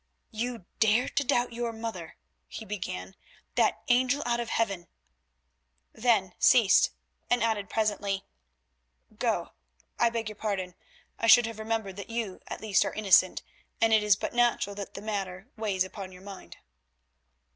"You dare to doubt your mother," he began, "that angel out of Heaven—" then ceased and added presently, "Go! I beg your pardon; I should have remembered that you at least are innocent, and it is but natural that the matter weighs upon your mind."